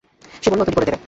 সে বলল, তৈরি করে দেবে।